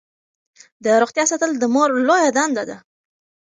د روغتیا ساتل د مور لویه دنده ده.